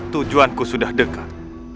tujuan ku sudah dekat